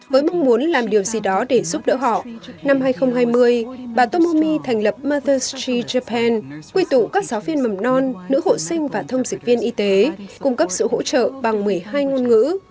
với mong muốn làm điều gì đó để giúp đỡ họ năm hai nghìn hai mươi bà tomomi thành lập mother s tree japan quy tụ các giáo viên mầm non nữ hộ sinh và thông dịch viên y tế cung cấp sự hỗ trợ bằng một mươi hai ngôn ngữ